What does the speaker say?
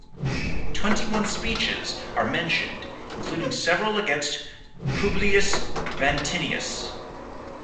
Twenty-one speeches are mentioned, including several against Publius Vatinius.